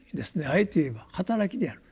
あえて言えば働きである。